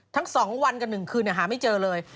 ทั้ง๒วันกับ๑คืนหาไม่เจอเลย